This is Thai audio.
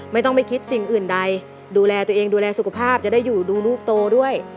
ไม่ต้องไปคิดสิ่งอื่นใดดูแลตัวเองดูแลสุขภาพจะได้อยู่ดูลูกโตด้วย